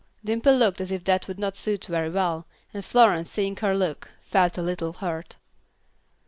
Dimple looked as if that would not suit very well, and Florence seeing her look, felt a little hurt.